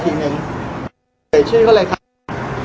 พี่แจงในประเด็นที่เกี่ยวข้องกับความผิดที่ถูกเกาหา